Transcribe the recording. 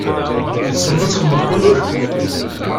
Tessneḍ ad txedmeḍ kullec?